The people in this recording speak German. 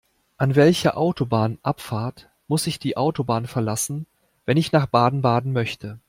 An welcher Autobahnabfahrt muss ich die Autobahn verlassen, wenn ich nach Baden-Baden möchte?